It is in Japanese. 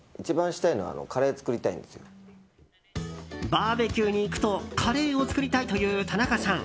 バーベキューに行くとカレーを作りたいという田中さん。